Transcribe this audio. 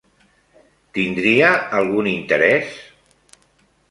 Tindria algun interès?